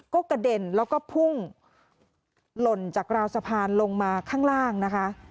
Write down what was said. ก็กระเด็นแล้วก็พุ่งหล่นจากราวสะพานลงมาข้างล่างนะคะ